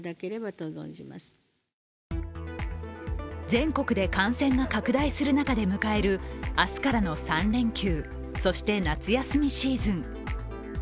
全国で感染が拡大する中で迎える明日からの３連休そして夏休みシーズン。